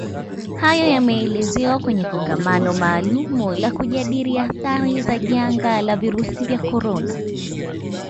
Hayo yameelezwa kwenye Kongamano maalumu la kujadili athari za janga la virusi vya corona